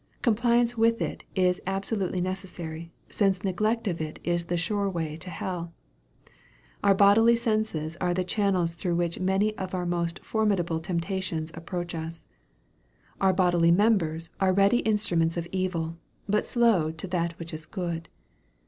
Compliance with it is absolutely necessary, since neglect of it is the sure way to hell. Our bodily senses are the channels through which many of our most formidable temptations approach us. Our bodily members are ready instruments of evil, but slow to that which is good.